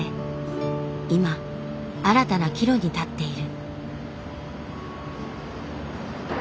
今新たな岐路に立っている。